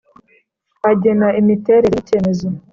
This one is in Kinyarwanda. Agena imiterere y icyemezo